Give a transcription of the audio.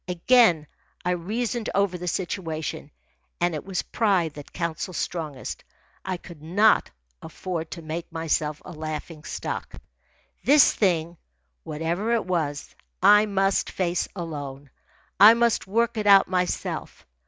Again I reasoned over the situation, and it was pride that counselled strongest. I could not afford to make myself a laughing stock. This thing, whatever it was, I must face alone. I must work it out myself.